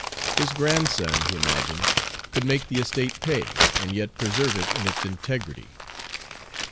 His grandson, he imagined, could make the estate pay and yet preserve it in its integrity.